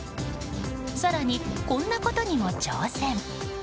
更に、こんなことにも挑戦。